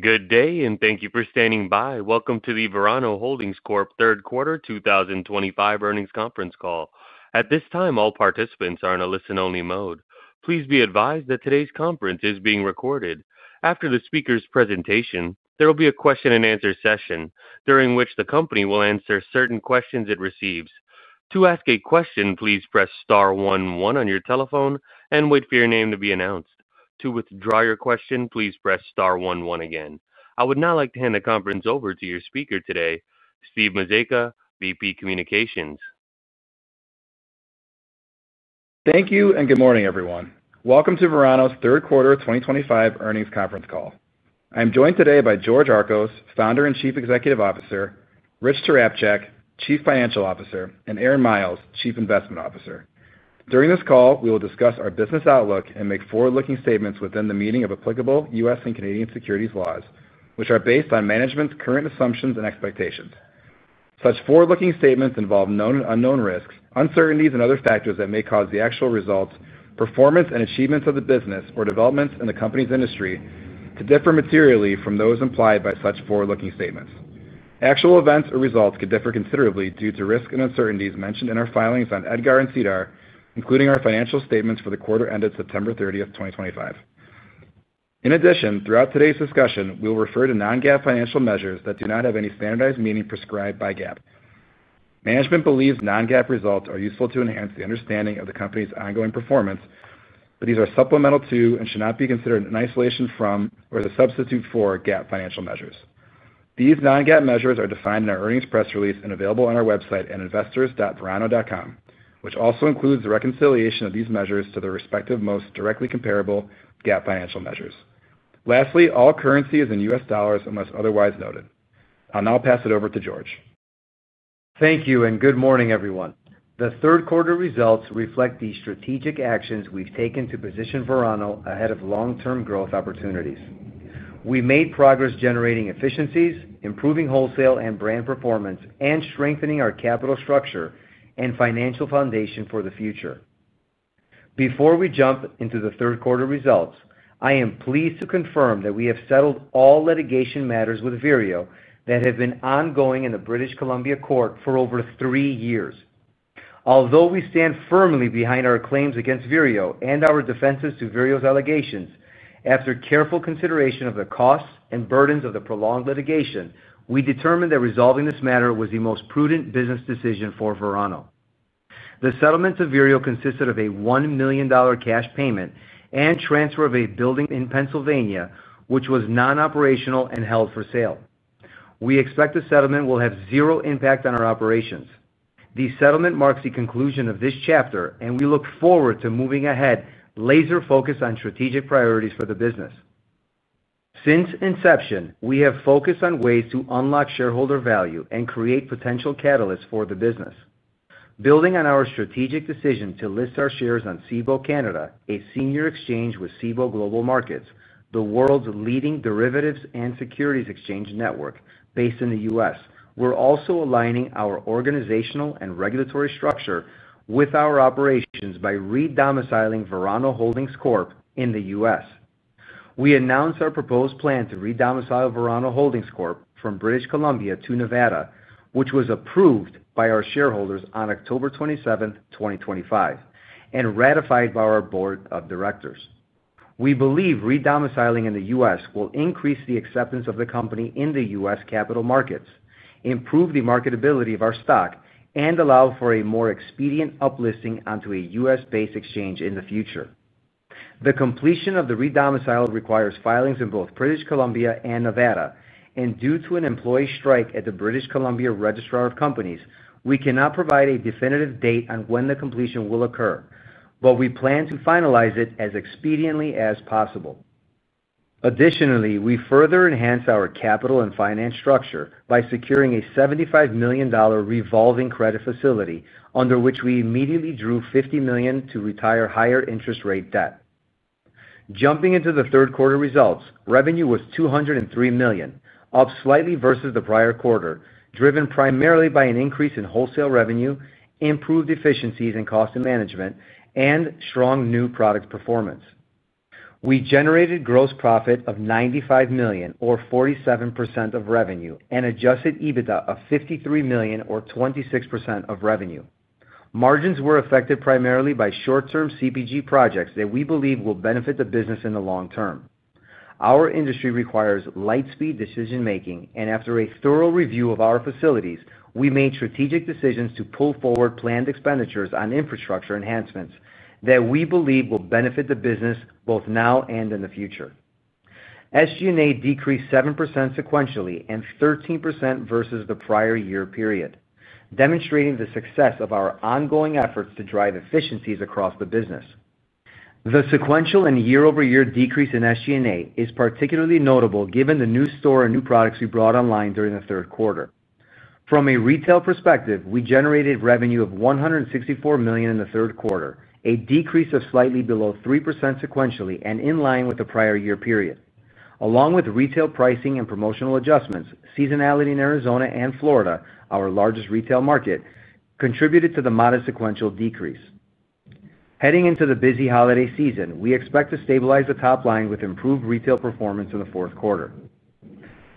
Good day and thank you for standing by. Welcome to the Verano Holdings Corp. Third Quarter 2025 earnings conference call. At this time, all participants are in a listen-only mode. Please be advised that today's conference is being recorded. After the speaker's presentation, there will be a question and answer session during which the company will answer certain questions it receives. To ask a question, please press star one one on your telephone and wait for your name to be announced. To withdraw your question, please press star one one again. I would now like to hand the conference over to your speaker today, Steve Mazeika, VP Communications. Thank you and good morning everyone. Welcome to Verano's third quarter 2025 earnings conference call. I am joined today by George Archos, Founder and Chief Executive Officer, Rich Tarapchak, Chief Financial Officer, and Aaron Miles, Chief Investment Officer. During this call we will discuss our business outlook and make forward-looking statements within the meaning of applicable U.S. and Canadian securities laws, which are based on management's current assumptions and expectations. Such forward-looking statements involve known and unknown risks, uncertainties, and other factors that may cause the actual results, performance, and achievements of the business or developments in the company's industry to differ materially from those implied by such forward-looking statements. Actual events or results could differ considerably due to risks and uncertainties mentioned in our filings on EDGAR and SEDAR, including our financial statements for the quarter ended September 30th, 2025. In addition, throughout today's discussion we will refer to non-GAAP financial measures that do not have any standardized meaning prescribed by GAAP. Management believes non-GAAP results are useful to enhance the understanding of the Company's ongoing performance, but these are supplemental to and should not be considered in isolation from or as a substitute for GAAP financial measures. These non-GAAP measures are defined in our earnings press release and available on our website at investors.verano.com, which also includes the reconciliation of these measures to the respective most directly comparable GAAP financial measures. Lastly, all currency is in U.S. Dollars unless otherwise noted. I'll now pass it over to George. Thank you and good morning everyone. The third quarter results reflect the strategic actions we've taken to position Verano ahead of long term growth opportunities. We made progress generating efficiencies, improving wholesale and brand performance, and strengthening our capital structure and financial foundation for the future. Before we jump into the third quarter results, I am pleased to confirm that we have settled all litigation matters with Vireo that have been ongoing in the British Columbia Court for over three years. Although we stand firmly behind our claims against Vireo and our defenses to Vireo's allegations, after careful consideration of the costs and burdens of the prolonged litigation, we determined that resolving this matter was the most prudent business decision for Verano. The settlement with Vireo consisted of a $1 million cash payment and transfer of a building in Pennsylvania which was non-operational and held for sale. We expect the settlement will have zero impact on our operations. The settlement marks the conclusion of this chapter and we look forward to moving ahead. Laser focus on strategic priorities for the business since inception, we have focused on ways to unlock shareholder value and create potential catalysts for the business. Building on our strategic decision to list our shares on Cboe Canada, a senior exchange with Cboe Global Markets, the world's leading derivatives and securities exchange network based in the U.S., we're also aligning our organizational and regulatory structure with our operations by redomiciling Verano Holdings Corp. in the U.S. We announced our proposed plan to redomicile Verano Holdings Corp. from British Columbia to Nevada, which was approved by our shareholders on October 27th, 2025 and ratified by our board of directors. We believe redomiciling in the U.S. will increase the acceptance of the company in the U.S. capital markets, improve the marketability of our stock, and allow for a more expedient uplisting onto a U.S. based exchange in the future. The completion of the redomicile requires filings in both British Columbia and Nevada, and due to an employee strike at the British Columbia Registrar of Companies, we cannot provide a definitive date on when the completion will occur, but we plan to finalize it as expediently as possible. Additionally, we further enhanced our capital and finance structure by securing a $75 million revolving credit facility under which we immediately drew $50 million to retire higher interest rate debt. Jumping into the third quarter results, revenue was $203 million, up slightly versus the prior quarter, driven primarily by an increase in wholesale revenue, improved efficiencies in cost management, and strong new product performance. We generated gross profit of $95 million or 47% of revenue and Adjusted EBITDA of $53 million or 26% of revenue. Margins were affected primarily by short term CPG projects that we believe will benefit the business in the long term. Our industry requires light speed decision making, and after a thorough review of our facilities, we made strategic decisions to pull forward planned expenditures on infrastructure enhancements that we believe will benefit the business both now and in the future. SG&A decreased 7% sequentially and 13% versus the prior year period, demonstrating the success of our ongoing efforts to drive efficiencies across the business. The sequential and year-over-year decrease in SG&A is particularly notable given the new store and new products we brought online during the third quarter. From a retail perspective, we generated revenue of $164 million in the third quarter and a decrease of slightly below 3% sequentially and in line with the prior year period along with retail pricing and promotional adjustments. Seasonality in Arizona and Florida, our largest retail market, contributed to the modest sequential decrease. Heading into the busy holiday season, we expect to stabilize the top line with improved retail performance in the fourth quarter.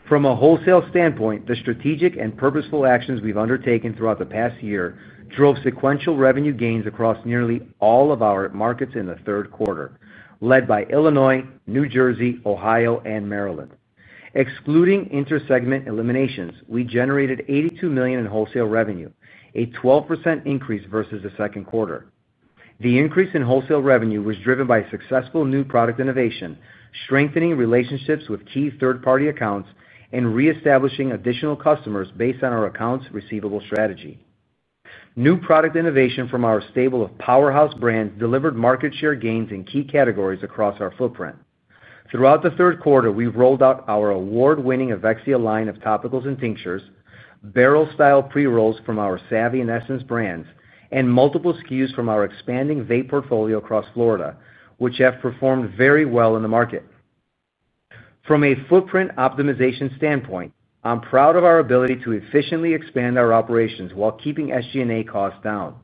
From a wholesale standpoint, the strategic and purposeful actions we've undertaken throughout the past year drove sequential revenue gains across nearly all of our markets in the third quarter, led by Illinois, New Jersey, Ohio, and Maryland. Excluding inter-segment eliminations, we generated $82 million in wholesale revenue, a 12% increase versus the second quarter. The increase in wholesale revenue was driven by successful new product innovation, strengthening relationships with key third party accounts, and reestablishing additional customers based on our accounts receivable strategy. New product innovation from our stable of powerhouse brands delivered market share gains in key categories across our footprint throughout the third quarter. We rolled out our award-winning Avexia line of topicals and tinctures, barrel-style pre-rolls from our Savvy and Essence brands, and multiple SKUs from our expanding vape portfolio across Florida, which have performed very well in the market from a footprint optimization standpoint. I'm proud of our ability to efficiently expand our operations while keeping SG&A costs down.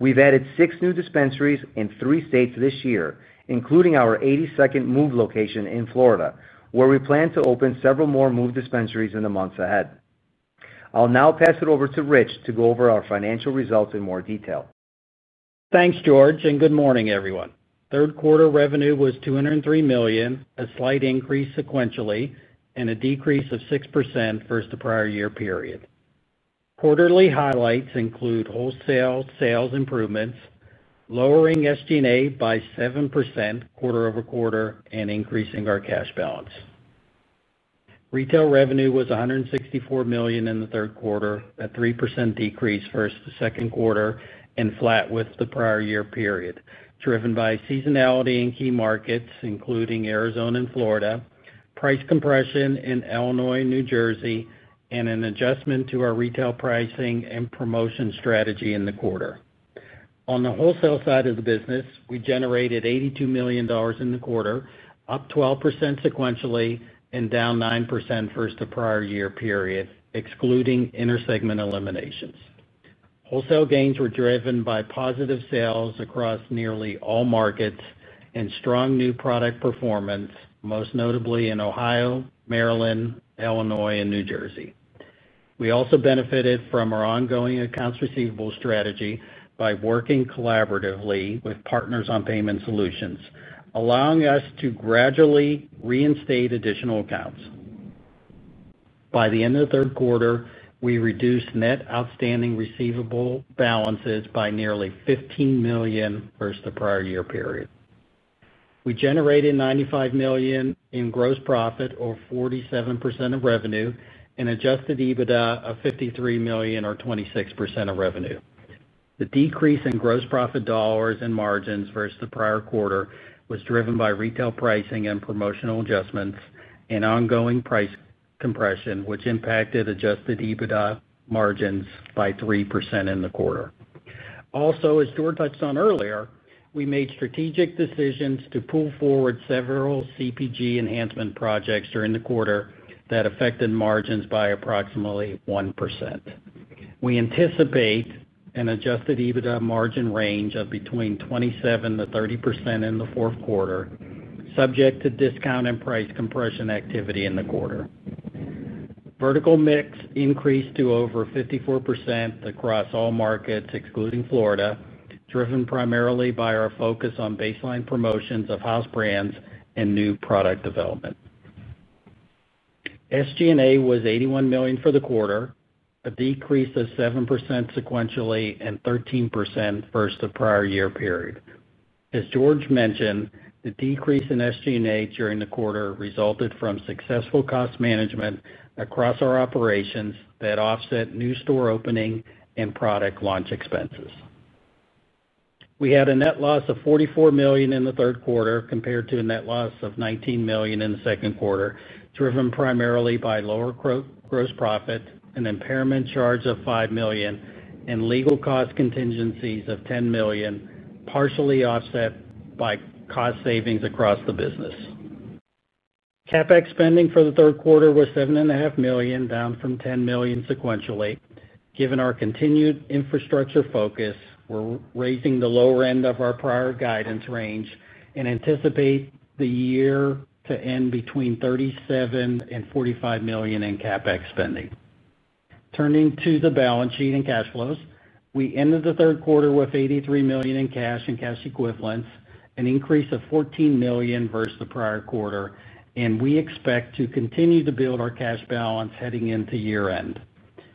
We've added six new dispensaries in three states this year, including our 82nd MÜV location in Florida, where we plan to open several more MÜV dispensaries in the months ahead. I'll now pass it over to Rich to go over our financial results in more detail. Thanks George and good morning everyone. Third quarter revenue was $203 million, a slight increase sequentially and a decrease of 6% versus the prior year period. Quarterly highlights include wholesale sales improvements, lowering SG&A by 7% quarter over quarter, and increasing our cash balance. Retail revenue was $164 million in the third quarter, a 3% decrease versus the second quarter and flat with the prior year period, driven by seasonality in key markets including Arizona and Florida, price compression in Illinois and New Jersey, and an adjustment to our retail pricing and promotion strategy in the quarter. On the wholesale side of the business, we generated $82 million in the quarter, up 12% sequentially and down 9% versus the prior year period. Excluding intersegment eliminations, wholesale gains were driven by positive sales across nearly all markets and strong new product performance, most notably in Ohio, Maryland, Illinois, and New Jersey. We also benefited from our ongoing accounts receivable strategy by working collaboratively with partners on payment solutions, allowing us to gradually reinstate additional accounts. By the end of the third quarter, we reduced net outstanding receivable balances by nearly $15 million over the prior year period. We generated $95 million in gross profit, or 47% of revenue, and Adjusted EBITDA of $53 million, or 26% of revenue. The decrease in gross profit dollars and margins versus the prior quarter was driven by retail pricing and promotional adjustments and ongoing price compression, which impacted Adjusted EBITDA margins by 3% in the quarter. Also, as George touched on earlier, we made strategic decisions to pull forward several CPG enhancement projects during the quarter that affected margins by approximately 1%. We anticipate an Adjusted EBITDA margin range of between 27% - 30% in the fourth quarter, subject to discount and price compression activity in the quarter. Vertical mix increased to over 54% across all markets excluding Florida, driven primarily by our focus on baseline promotions of house brands and new product development. SG&A was $81 million for the quarter, a decrease of 7% sequentially and 13% versus the prior year period. As George mentioned, the decrease in SG&A during the quarter resulted from successful cost management across our operations that offset new store opening and product launch expenses. We had a net loss of $44 million in the third quarter compared to a net loss of $19 million in the second quarter, driven primarily by lower gross profit, an impairment charge of $5 million, and legal cost contingencies of $10 million, partially offset by cost savings across the business. CapEx spending for the third quarter was $7.5 million, down from $10 million sequentially. Given our continued infrastructure focus, we're raising the lower end of our prior guidance range and anticipate the year to end between $37 million and $45 million in CapEx spending. Turning to the balance sheet and cash flows, we ended the third quarter with $83 million in cash and cash equivalents, an increase of $14 million versus the prior quarter, and we expect to continue to build our cash balance. Heading into year end,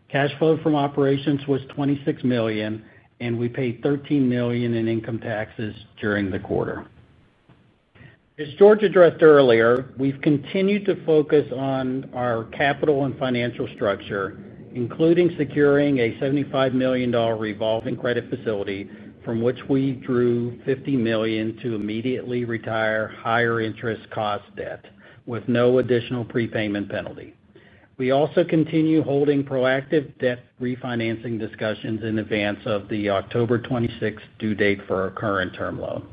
cash flow from operations was $26 million, and we paid $13 million in income taxes during the quarter. As George addressed earlier, we've continued to focus on our capital and financial structure, including securing a $75 million revolving credit facility from which we drew $50 million to immediately retire higher interest cost debt with no additional prepayment penalty. We also continue holding proactive debt refinancing discussions in advance of the October 26 due date for our current term loan.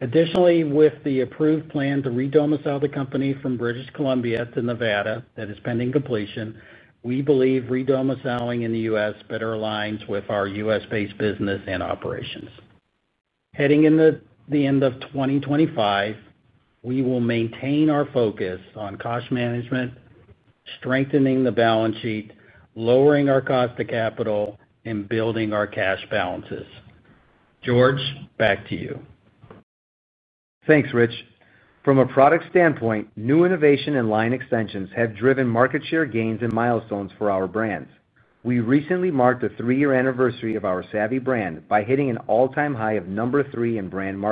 Additionally, with the approved plan to redomicile the company from British Columbia to Nevada that is pending completion, we believe redomiciling in the U.S. better aligns with our U.S. based business and operations. Heading into the end of 2025, we will maintain our focus on cost management, strengthening the balance sheet, lowering our cost of capital, and building our cash balances. George, back to you. Thanks, Rich. From a product standpoint, new innovation and line extensions have driven market share gains and milestones for our brands. We recently marked the three-year anniversary of our Savvy brand by hitting an all-time high of number three in brand,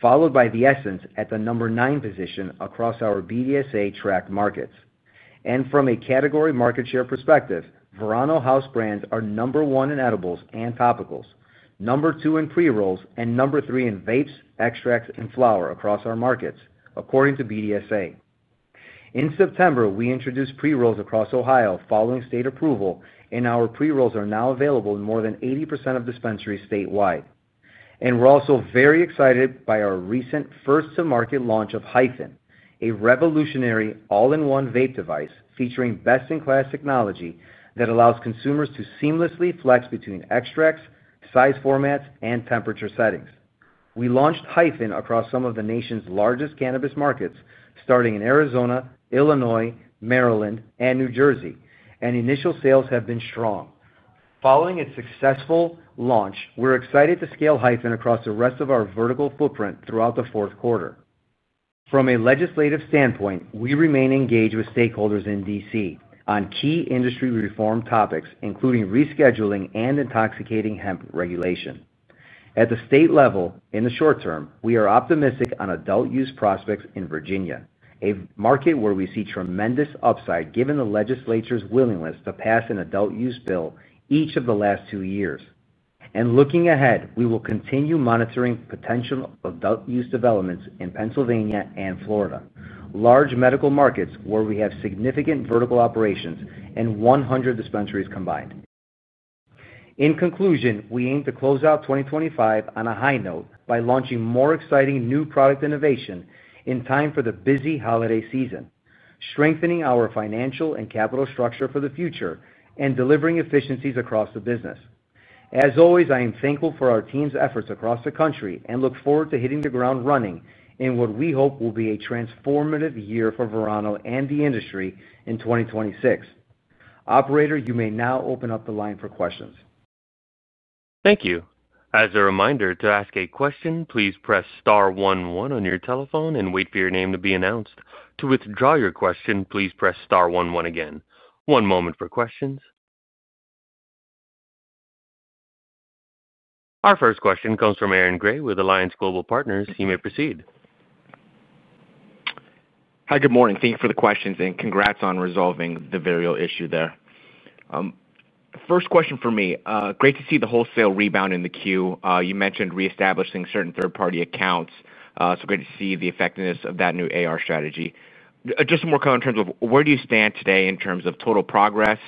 followed by Essence at the number nine position across our BDSA-tracked markets. From a category market share perspective, Verano House brands are number one in edibles and topicals, number two in pre-rolls, and number three in vapes, extracts, and flower across our markets, according to BDSA. In September, we introduced pre-rolls across Ohio following state approval, and our pre-rolls are now available in more than 80% of dispensaries statewide. We're also very excited by our recent first-to-market launch of HYPHEN a revolutionary all-in-one vape device featuring best-in-class technology that allows consumers to seamlessly flex between extracts, size formats, and temperature settings. We launched HYPHEN across some of the nation's largest cannabis markets, starting in Arizona, Illinois, Maryland, and New Jersey, and initial sales have been strong. Following its successful launch, we're excited to scale HYPHEN across the rest of our vertical footprint throughout the fourth quarter. From a legislative standpoint, we remain engaged with stakeholders in D.C. on key industry reform topics, including Rescheduling and Intoxicating Hemp regulation at the state level. In the short term, we are optimistic on Adult-Use prospects in Virginia, a market where we see tremendous upside given the Legislature's willingness to pass an Adult-Use bill in each of the last two years. Looking ahead, we will continue monitoring potential Adult-Use developments in Pennsylvania and Florida, large medical markets where we have significant vertical operations and 100 dispensaries combined. In conclusion, we aim to close out 2025 on a high note by launching more exciting new product innovation in time for the busy holiday season, strengthening our financial and capital structure for the future, and delivering efficiencies across the business. As always, I am thankful for our team's efforts across the country and look forward to hitting the ground running in what we hope will be a transformative year for Verano and the industry in 2026. Operator, you may now open up the line for questions. Thank you. As a reminder to ask a question, please press star one one on your telephone and wait for your name to be announced. To withdraw your question, please press star one one again. One moment for questions. Our first question comes from Aaron Grey with Alliance Global Partners. You may proceed. Hi, good morning. Thank you for the questions and congrats on resolving the Vireo issue there. First question for me. Great to see the wholesale rebound in the queue you mentioned. Reestablishing certain third party accounts. Good to see the effectiveness of that new AR strategy. Just some more color in terms of where do you stand today in terms of total progress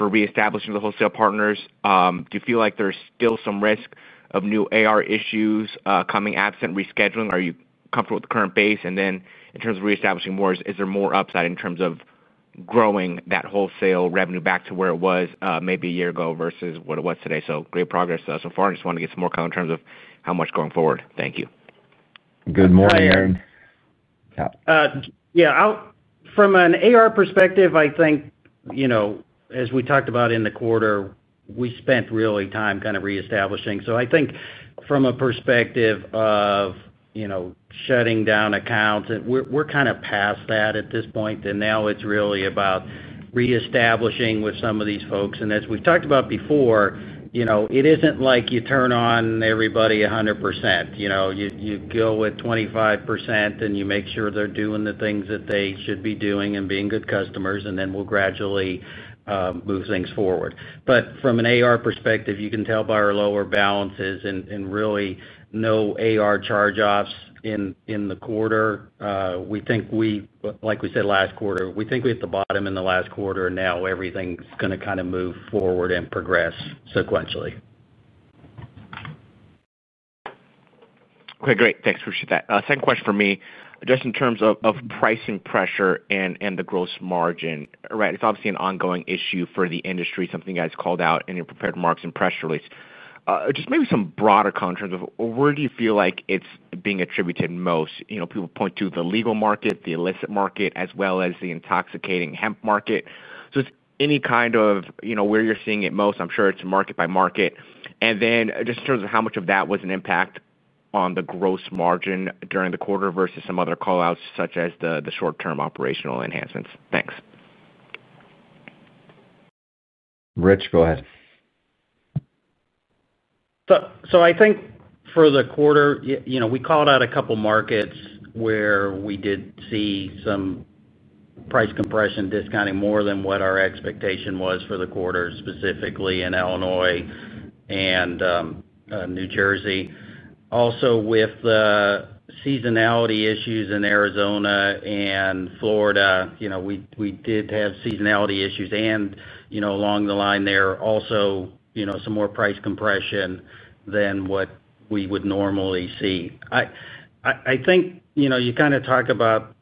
for reestablishing the wholesale partners? Do you feel like there's still some risk of new AR issues coming absent Rescheduling, are you comfortable with the current base? In terms of reestablishing more, is there more upside in terms of growing that wholesale revenue back to where it was maybe a year ago versus what it was today? Great progress so far. I just wanted to get some more color in terms of how much going forward. Thank you. Good morning, Aaron. Yeah, from an AR perspective, as we talked about in the quarter, we spent time kind of reestablishing. I think from a perspective of shutting down accounts, we're kind of past that at this point. Now it's really about reestablishing with some of these folks. As we've talked about before, it isn't like you turn on everybody 100%. You go with 25% and you make sure they're doing the things that they should be doing and being good customers, and then we'll gradually move things forward. From an AR perspective, you can tell by our lower balances and really no AR charge offs in the quarter. We think, like we said last quarter, we hit the bottom in the last quarter and now everything's going to kind of move forward and progress sequentially. Okay, great, thanks. Appreciate that. Second question for me, just in terms of pricing pressure and the gross margin, it's obviously an ongoing issue for the industry. Something you guys called out in your prepared remarks and press release. Just maybe some broader context in terms of where do you feel like it's being attributed? Most people point to the legal market, the illicit market, as well as the Intoxicating Hemp market. Is it any kind of, you know, where you're seeing it most? I'm sure it's market by market, and then just in terms of how much of that was an impact on the gross margin during the quarter versus some other call outs such as the short term operational enhancements. Thanks, Rich. Go ahead. I think for the quarter, we called out a couple markets where we did see some price compression, discounting more than what our expectation was for the quarter, specifically in Illinois and New Jersey. Also with the seasonality issues in Arizona and Florida, we did have seasonality issues and along the line there also, some more price compression than what we would normally see. I think you kind of talk about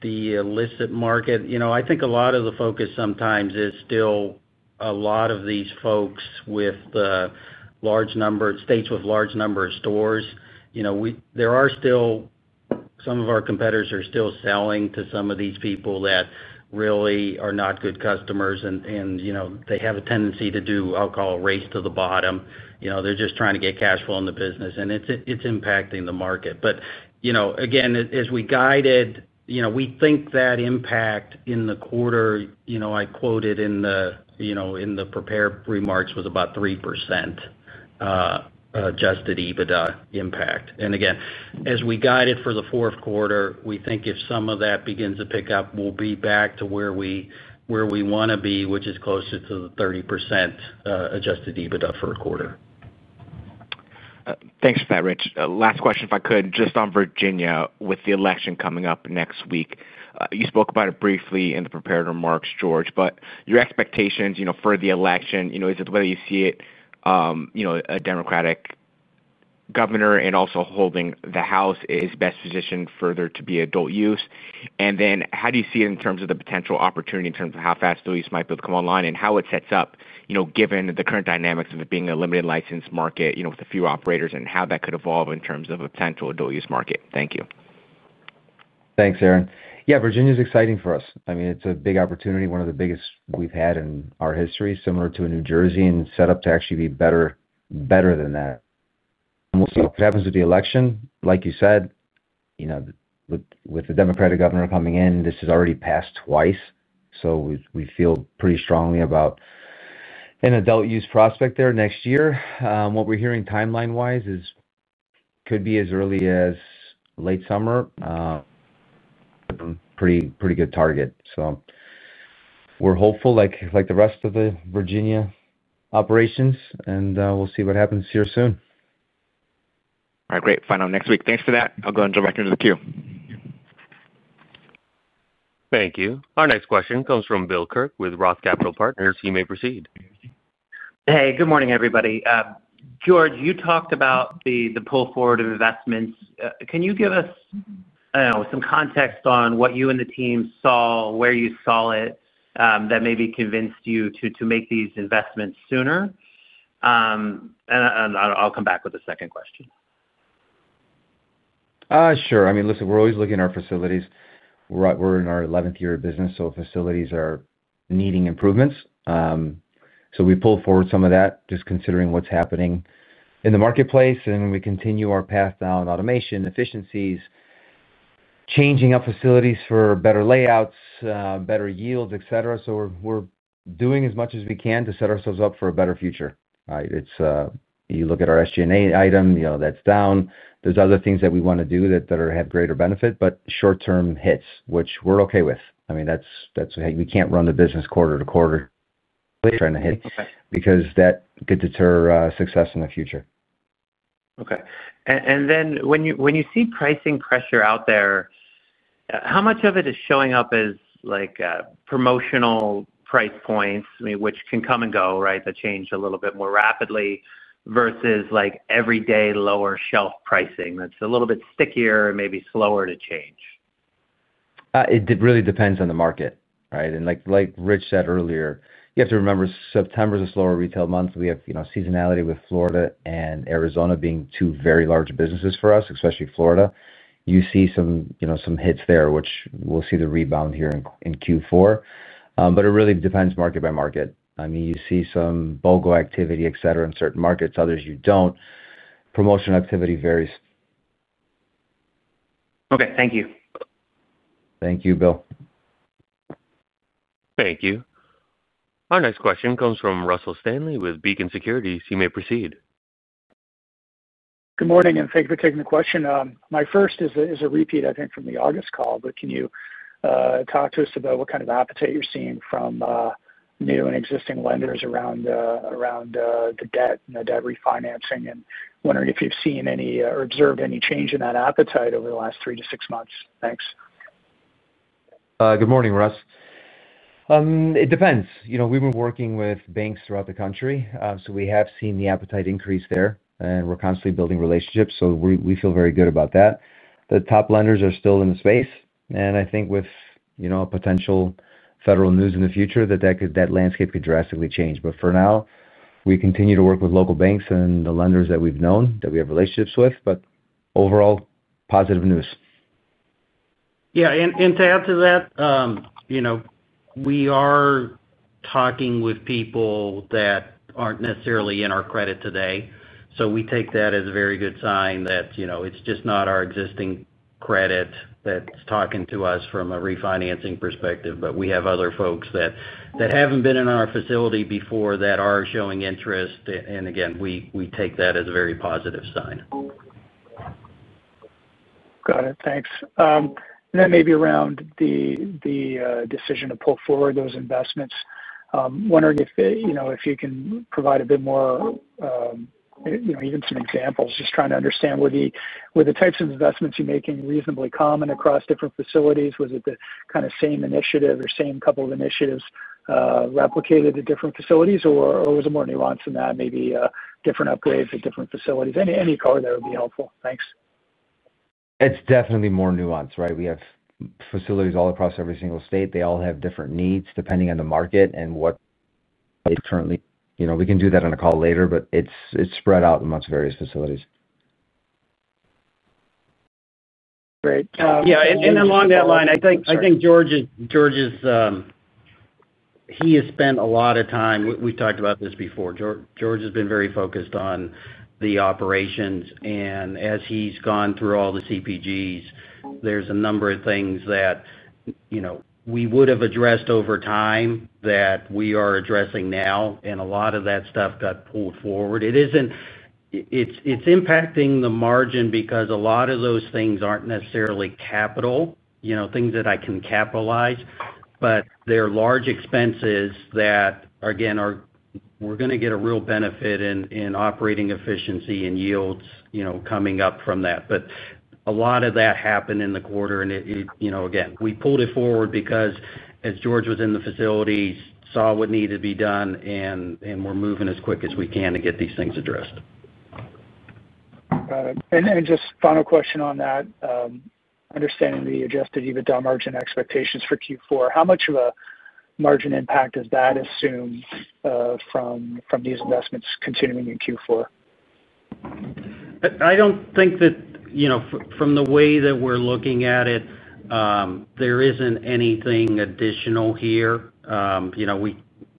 the illicit market. I think a lot of the focus sometimes is still a lot of these folks with large number states with large number of stores. There are still some of our competitors are still selling to some of these people that really are not good customers and they have a tendency to do, I'll call a race to the bottom. They're just trying to get cash flow in the business and it's impacting the market. Again, as we guided, we think that impact in the quarter I quoted in the prepared remarks was about 3% Adjusted EBITDA impact. Again, as we guided for the fourth quarter, we think if some of that begins to pick up, we'll be back to where we want to be, which is closer to the 30% Adjusted. EBITDA for a quarter. Thanks for that, Rich. Last question, if I could just on Virginia with the election coming up next week. You spoke about it briefly in the prepared remarks, George, but your expectations, you know, for the election, you know, is it whether you see it, you know, a Democratic governor and also holding the House is best positioned further to be adult use. How do you see it in terms of the potential opportunity, in terms of how fast those might be able to come online and how it sets up, you know, given the current dynamics of it being a limited license market, you know, with a few operators and how that could evolve in terms of a potential dual use market. Thank you. Thanks, Aaron. Yeah, Virginia is exciting for us. I mean it's a big opportunity, one of the biggest we've had in our history, similar to a New Jersey and set up to actually be better. Better than that. We'll see what happens with the election. Like you said, with the Democratic governor coming in, this has already passed twice. We feel pretty strongly about an adult use prospect there next year. What we're hearing timeline wise is could be as early as late summer, pretty good target. We're hopeful like the rest of the Virginia operations and we'll see what happens here soon. All right, great. Final next week. Thanks for that. I'll go and direct you to the queue. Thank you. Our next question comes from Bill Kirk with Roth Capital Partners. You may proceed. Hey, good morning, everybody. George, you talked about the pull forward of investments. Can you give us some context on what you and the team saw, where you saw it that maybe convinced you? To make these investments sooner? I'll come back with a second question. Sure. I mean, listen, we're always looking at our facilities. We're in our 11th year of business, so facilities are needing improvements. We pull forward some of that just considering what's happening in the marketplace. We continue our path down automation, efficiencies, changing up facilities for better layouts, better yields, etc. We're doing as much as we can to set ourselves up for a better future. Right. You look at our SG&A item, you know, that's down. There's other things that we want to do that have greater benefit, but short term hits, which we're okay with. I mean, we can't run the business quarter to quarter because that could deter success in the future. Okay. When you see pricing pressure out there, how much of it is showing up as promotional price points which can come and go? Right. That change a little bit more rapidly. Versus everyday lower shelf pricing that's a little bit stickier and maybe slower to change. It really depends on the market. Like Rich said earlier, you have to remember September is a slower retail month. We have seasonality with Florida and Arizona being two very large businesses for us, especially Florida, you see some hits there, which we'll see the rebound here in Q4. It really depends market by market. I mean, you see some BOGO activity, et cetera, in certain markets, others you don't. Promotional activity varies. Okay, thank you. Thank you, Bill. Thank you. Our next question comes from Russell Stanley with Beacon Securities. You may proceed. Good morning and thank you for taking the question. My first is a repeat, I think from the August call. Can you talk to us about what kind of appetite you're seeing from new and existing lenders around the debt and the debt refinancing, and wondering if you've seen any or observed any change in that appetite over the last three to six months. Thanks. Good morning, Russ. It depends. We were working with banks throughout the country, so we have seen the appetite increase there and we're constantly building relationships, so we feel very good about that. The top lenders are still in the space and I think with potential federal news in the future that landscape could drastically change. For now we continue to work with local banks and the lenders that we've known that we have relationships with. Overall, positive news. Yeah. To add to that, we are talking with people that aren't necessarily in our credit today. We take that as a very good sign that it's just not our existing credit that's talking to us from a refinancing perspective. We have other folks that haven't been in our facility before that are showing interest, and again, we take that as a very positive sign. Got it, thanks. Maybe around the decision to pull forward those investments, wondering if you can provide a bit more, you know, even some examples. Just trying to understand, were the types of investments you're making reasonably common across different facilities? Was it the same initiative or same couple of initiatives replicated at different facilities, or was it more nuanced than that? Maybe different upgrades at different facilities? Any color there would be helpful. Thanks. It's definitely more nuanced. Right. We have facilities all across every single state. They all have different needs depending on the market and what currently we can do that on a call later, but it's spread out amongst various facilities. Great. Yeah. Along that line, I think. I think George is. He has spent a lot of time. We've talked about this before. George has been very focused on the operations, and as he's gone through all the CPGs, there's a number of things that, you know, we would have addressed over time that we are addressing now. A lot of that stuff got pulled forward. It isn't. It's impacting the margin because a lot of those things aren't necessarily capital, you know, things that I can capitalize, but they're large expenses that again are. We're going to get a real benefit in operating efficiency and yields, you know, coming up from that. A lot of that happened in the quarter, and again, we pulled it forward because as George was in the facility, saw what needed to be done, and we're moving as quick as we can to get these things addressed. Just final question on that, understanding the Adjusted EBITDA margin expectations for Q4, how much of a margin impact does that assume from these investments continuing in Q4? I don't think that, you know, from the way that we're looking at it, there isn't anything additional here.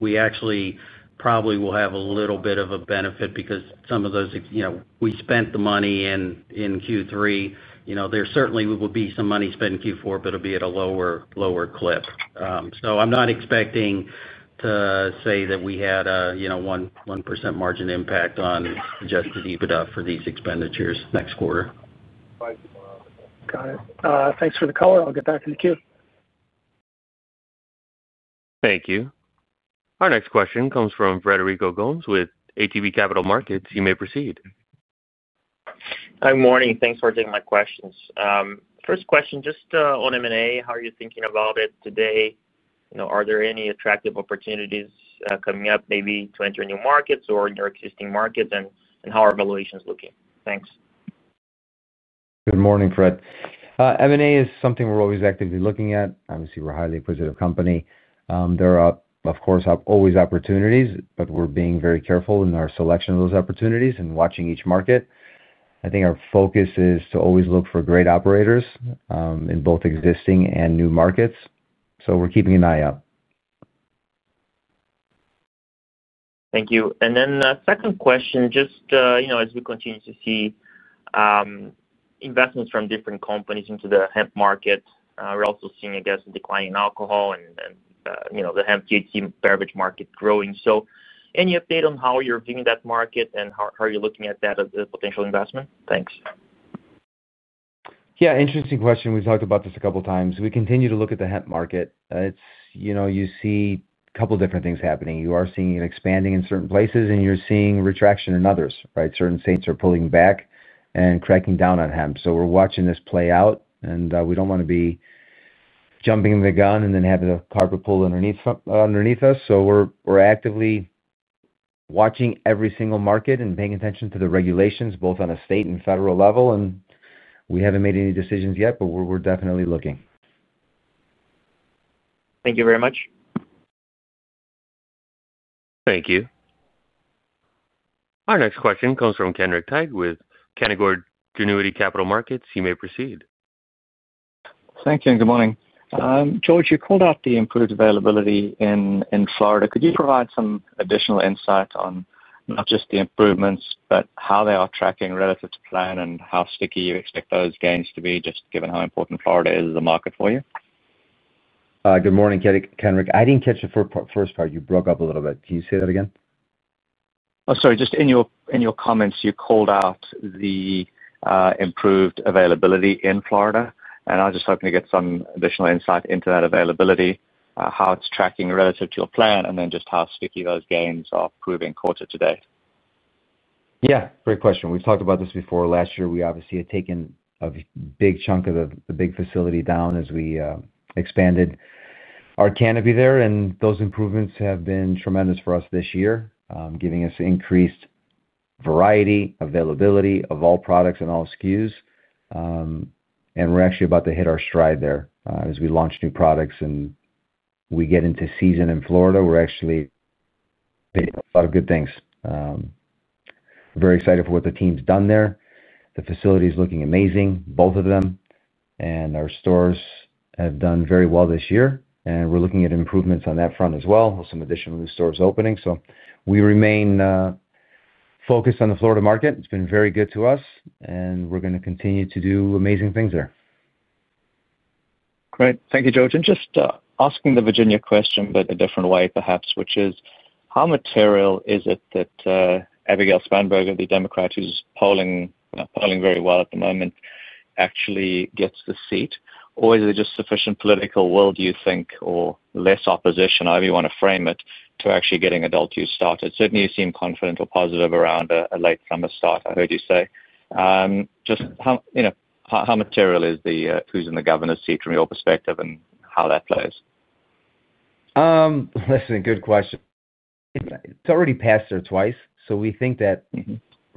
We actually probably will have a little bit of a benefit because some of those, you know, we spent the money in Q3. There certainly will be some money spent in Q4, but it'll be at a lower, lower clip. I'm not expecting to say that we had, you know, 1% margin impact on Adjusted EBITDA for these expenditures next quarter. Got it. Thanks for the call. I'll get back in the queue. Thank you. Our next question comes from Frederico Gomes with ATB Capital Markets. You may proceed. Good morning. Thanks for taking my questions. First question just on M&A, how are you thinking about it today? Are there any attractive opportunities coming up maybe to enter new markets or in your existing markets? How are valuations looking? Thanks. Good morning, Fred. M&A is something we're always actively looking at. Obviously, we're a highly acquisitive company. There are, of course, always opportunities, but we're being very careful in our selection of those opportunities and watching each market. I think our focus is to always look for great operators in both existing and new markets. We're keeping an eye out. Thank you. Second question, just, you know, as we continue to see investments from different companies into the hemp market, we're also seeing, I guess, a decline in alcohol and, you know, the hemp-derived THC beverage market growing. Any update on how you're viewing that market and how are you looking at that as a potential investment? Thanks. Yeah, interesting question. We talked about this a couple times. We continue to look at the hemp market. You know, you see a couple different things happening. You are seeing it expanding in certain places, and you're seeing retraction in others. Right. Certain states are pulling back and cracking down on hemp. We're watching this play out, and we don't want to be jumping the gun and then having the carpet pulled underneath us. We're actively watching every single market and paying attention to the regulations both on a state and federal level. We haven't made any decisions yet, but we're definitely looking. Thank you very much. Thank you. Our next question comes from Kenric Tyghe with Canaccord Genuity Capital Markets. You may proceed. Thank you and good morning. George, you called out the improved availability in Florida. Could you provide some additional insight on not just the improvements, but how they are tracking relative to plan and how sticky you expect those gains to be just given how important Florida is the market for you? Good morning, Kenric. I didn't catch the first part, you broke up a little bit. Can you say that again? Sorry, just in your comments you called out the improved availability in Florida, and I was just hoping to get some additional insight into that availability, how it's tracking relative to your plan, and then just how sticky those gains are proving quarter to date. Yeah, great question. We've talked about this before. Last year we obviously had taken a big chunk of the big facility down as we expanded our canopy there, and those improvements have been tremendous for us this year, giving us increased variety, availability of all products and all SKUs. We're actually about to hit our stride there as we launch new products and we get into season in Florida. There are actually a lot of good things, very excited for what the team's done there. The facility is looking amazing, both of them, and our stores have done very well this year. We're looking at improvements on that front as well, with some additional new stores opening. We remain focused on the Florida market. It's been very good to us, and we're going to continue to do amazing things there. Great. Thank you, George. Just asking the Virginia question a different way perhaps, which is how material is it that Abigail Spanberger, the Democrat who's polling very well at the moment, actually gets the seat or is it just sufficient political will, do you think, or less opposition, however you want to frame it, to actually getting adult use started? Certainly you seem confident or positive around a late summer start. I heard you say just how. How material is who's in the governor's seat from your perspective and how that plays. Good question. It's already passed her twice, so we think that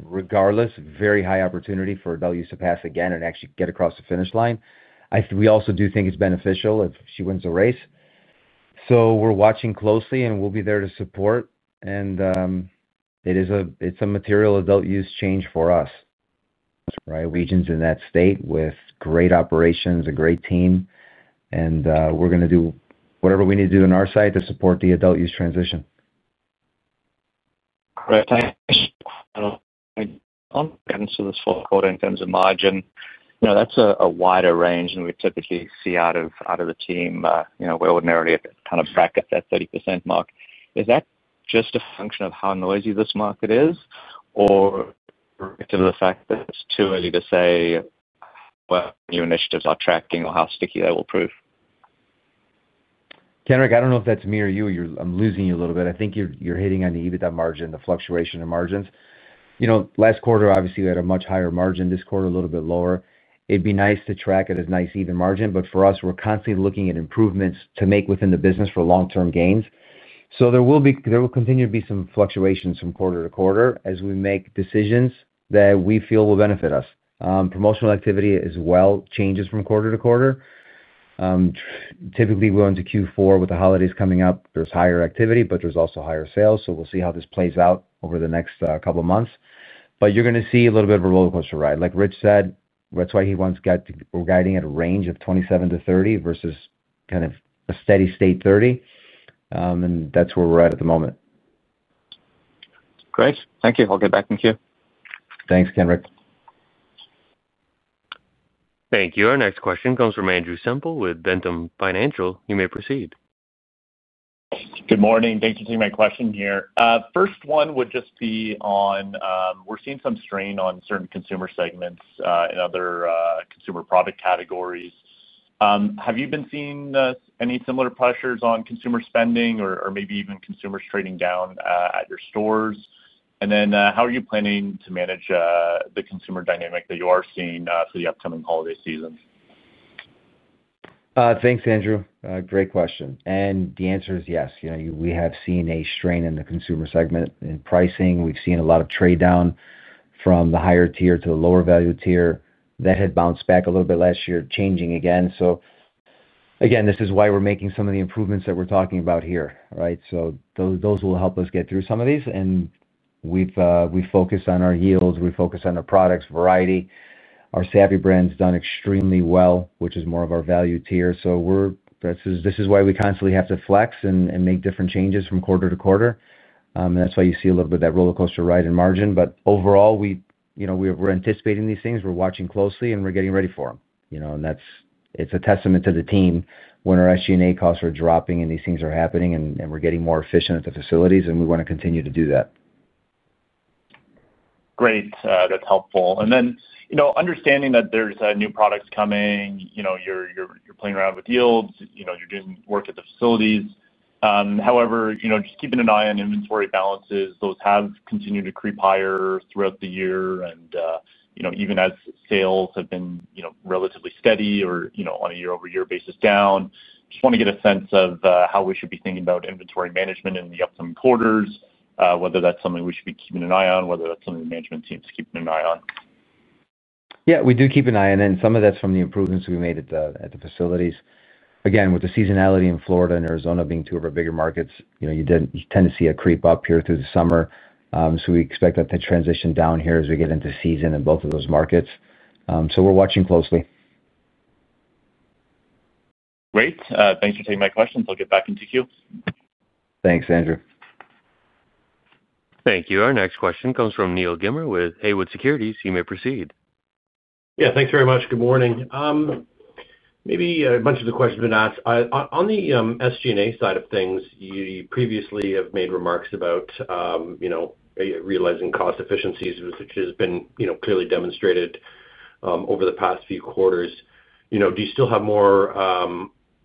regardless, very high opportunity for values to pass again and actually get across the finish line. We also do think it's beneficial if she wins a race. We're watching closely and we'll be there to support, and it's a material adult use change for us, right? Regions in that state with great operations, a great team, and we're going to do whatever we need to do on our side to support the adult use transition. Thanks to this fourth quarter in terms of margin, that's a wider range than we typically see out of the team. We're ordinarily kind of bracket that 30% mark. Is that just a function of how noisy this market is, or because of the fact that it's too early to say what new initiatives are tracking or how sticky they will prove? Kenric, I don't know if that's me or you. I'm losing you a little bit. I think you're hitting on the EBITDA margin, the fluctuation in margins. Last quarter obviously we had a much higher margin. This quarter a little bit lower. It'd be nice to track it as nice even margin. For us, we're constantly looking at improvements to make within the business for long term gains. There will continue to be some fluctuations from quarter to quarter as we make decisions that we feel will benefit us. Promotional activity as well, changes from quarter to quarter, typically going to Q4 with the holidays coming up. There's higher activity, but there's also higher sales. We'll see how this plays out over the next couple of months. You're going to see a little bit of a roller coaster ride like Rich said. That's why he wants guiding at a range of 27% - 30% versus kind of a steady state 30%. That's where we're at at the moment. Great, thank you. I'll get back in queue. Thanks Kenric. Thank you. Our next question comes from Andrew Semple with Ventum Financial. You may proceed. Good morning. Thanks for taking my question here. First. We're seeing some strain on certain consumer segments and other consumer product categories. Have you been seeing any similar pressures on consumer spending or maybe even consumers trading down at your stores? How are you planning to manage the consumer dynamic that you are seeing for the upcoming holiday season? Thanks, Andrew. Great question. The answer is yes, we have seen a strain in the consumer segment in pricing. We've seen a lot of trade down from the higher tier to the lower value tier that had bounced back a little bit last year, changing again. This is why we're making some of the improvements that we're talking about here. Right. Those will help us get through some of these. We focus on our yields, we focus on the product variety. Our Savvy brand's done extremely well, which is more of our value tier. This is why we constantly have to flex and make different changes. From quarter to quarter. That's why you see a little bit that roller coaster ride in margin. Overall, we're anticipating these things, we're watching closely, and we're getting ready for them. It's a testament to the team when our SG&A costs are dropping, these things are happening, and we're getting more efficient at the facilities. We want to continue to do that. Great, that's helpful. Understanding that there's new products coming, you're playing around with yields, and you're doing work at the facilities. However, just keeping an eye on inventory balances, those have continued to creep higher throughout the year, even as sales have been relatively steady or on a year-over-year basis down. I just want to get a sense of how we should be thinking about inventory management in the upcoming quarters, whether that's something we should be keeping an eye on, and whether that's something the management team is keeping an eye on. Yeah, we do keep an eye on. Some of that's from the improvements we made at the facilities. Again, with the seasonality in Florida and Arizona being two of our bigger markets, you tend to see a creep up here through the summer. We expect that to transition down here as we get into season in both of those markets. We're watching closely. Great. Thanks for taking my questions. I'll get back into queue. Thanks, Andrew. Thank you. Our next question comes from Neal Gilmer with Haywood Securities. You may proceed. Yeah, thanks very much. Good morning. Maybe a bunch of the questions been answered. Asked on the SG&A side of things. You previously have made remarks about, you know, realizing cost efficiencies, which has been clearly demonstrated over the past few quarters. Do you still have more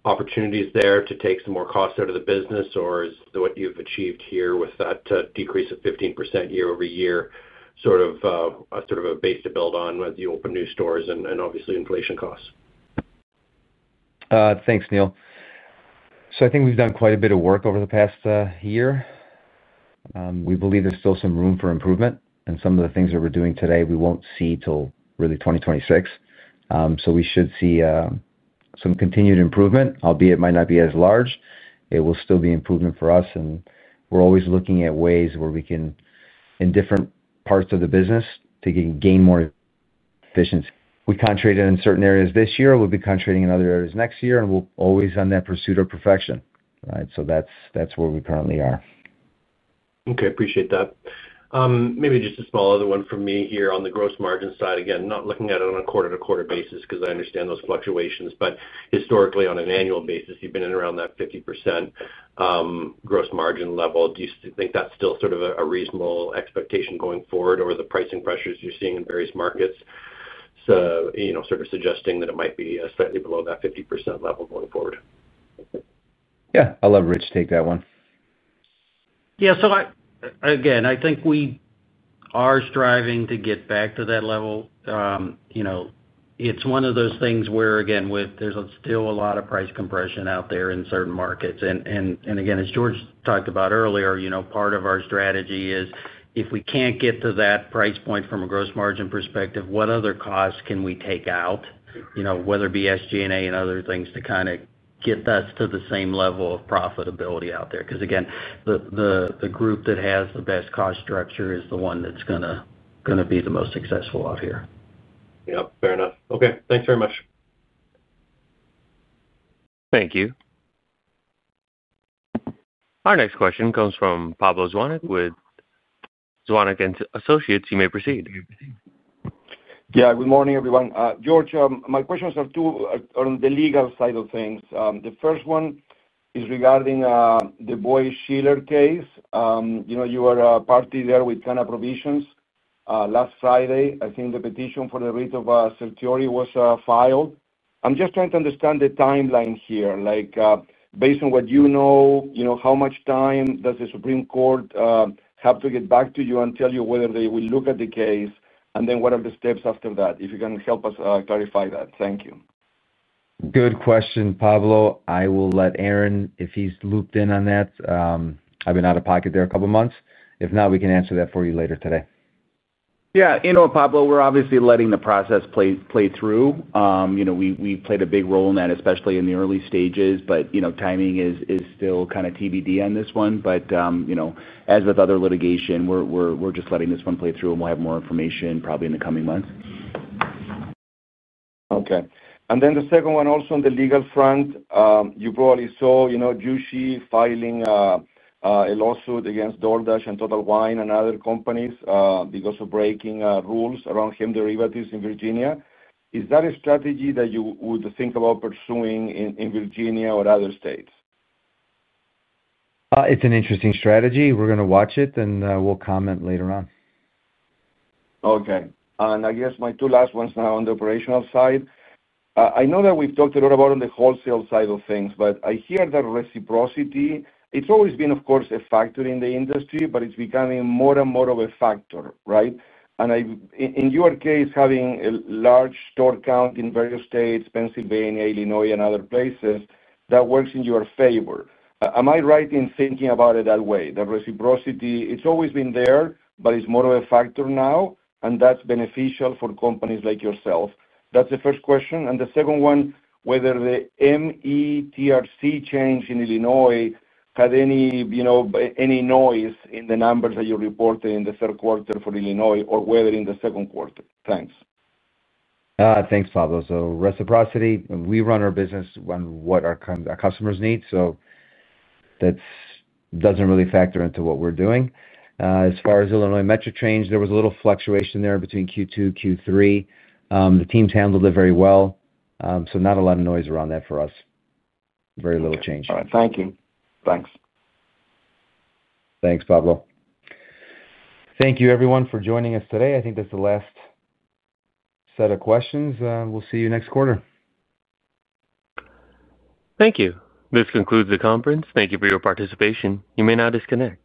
opportunities there to take some more costs out of the business, or is what you've achieved here with that decrease of 15% year over year sort of a base to build on as you open new stores and obviously inflation costs. Thanks, Neal. I think we've done quite a bit of work over the past year. We believe there's still some room for improvement. Some of the things that we're doing today we won't see until really 2026. We should see some continued improvement, albeit it might not be as large. It will still be improvement for us. We're always looking at ways where we can in different parts of the business to gain more efficiency. We concentrated in certain areas this year. We'll be concentrating in other areas next year. We're always on that pursuit of perfection. That's where we currently are. Okay, appreciate that. Maybe just a small other one. Me here on the gross margin side. Again, not looking at it on a quarter to quarter basis because I understand those fluctuations. Historically, on an annual basis you've been in around that 50% gross margin level. Do you think that's still sort of a reasonable expectation going forward, or the pricing pressures you're seeing in various markets sort of suggesting that it might be slightly below that 50% level going forward? Yeah, I'll let Rich take that one. Yeah. I think we are striving to get back to that level. It's one of those things where there's still a lot of price compression out there in certain markets. As George talked about earlier, part of our strategy is if we can't get to that price point from a gross margin perspective, what other costs can we take out, whether it be SG&A and other things, to kind of get us to the same level of profitability out there. The group that has the best cost structure is the one that's going to be the most successful out here. Yeah, fair enough. Okay, thanks very much. Thank you. Our next question comes from Pablo Zuanic with Zuanic & Associates. You may proceed. Yeah. Good morning, everyone. George. My questions are two on the legal side of things. The first one is regarding the Boies Schiller case. You know, you are a party there with kind of provisions. Last Friday, I think the petition for the writ of certiorari was filed. I'm just trying to understand the timeline here. Like, based on what you know, how much time does the Supreme Court have to get back to you and tell you whether they will look at the case, and then what are the steps after that? If you can help us clarify that. Thank you. Good question, Pablo. I will let Aaron, if he's looped in on that. I've been out of pocket there a couple months. If not, we can answer that for you later today. Yeah. You know, Pablo, we're obviously letting the process play through. We played a big role in that, especially in the early stages. Timing is still kind of TBD on this one. As with other litigation, we're just letting this one play through, and we'll have more information probably in the coming months. Okay. The second one, also on the legal front, you probably saw, you know, Jushi filing a lawsuit against DoorDash and Total Wine and other companies because of breaking rules around hemp derivatives in Virginia. Is that a strategy that you would think about pursuing in Virginia or other states? It's an interesting strategy. We're going to watch it, and we'll comment later on. Okay. I guess my two last ones now, on the operational side, I know that we've talked a little about on the wholesale side of things, but I hear the reciprocity, it's always been, of course, a factor in the industry, but it's becoming more and more of a factor. Right. In your case, having a large store count in various states, Pennsylvania, Illinois, and other places, that works in your favor. Am I right in thinking about it that way? The reciprocity, it's always been there, but it's more of a factor now, and that's beneficial for companies like yourself. That's the first question. The second one, whether the METRC change in Illinois had any noise in the numbers that you reported in the third quarter for Illinois or whether in the second quarter. Thanks. Thanks, Pablo. Reciprocity, we run our business on what our customers need, so that doesn't really factor into what we're doing. As far as Illinois metric change, there was a little fluctuation there between Q2, Q3. The teams handled it very well. Not a lot of noise around that for us. Very little change. Thank you. Thanks. Thanks, Pablo. Thank you, everyone, for joining us today. I think that's the last set of questions. We'll see you next quarter. Thank you. This concludes the conference. Thank you for your participation. You may now disconnect.